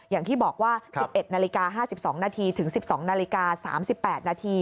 อย่างที่บอกว่า๑๑นาฬิกา๕๒นาทีถึง๑๒นาฬิกา๓๘นาที